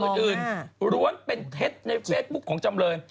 แล้วก็อื่นร้วนเป็นเท็จในเฟซบุ๊กของจำเรือน